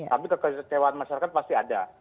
tapi kekecewaan masyarakat pasti ada